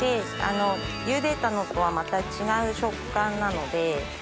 ゆでたのとはまた違う食感なので。